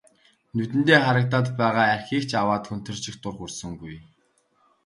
Нүдэндээ харагдаад байгаа архийг ч аваад хөнтөрчих дур хүрсэнгүй.